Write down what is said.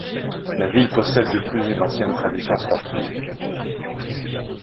La ville possède de plus une ancienne tradition sportive.